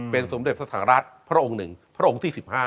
เป็นสมเด็จพระสังฆราชพระองค์หนึ่งพระองค์๔๕